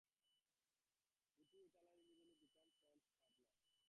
The two Italians immediately became friends and partners.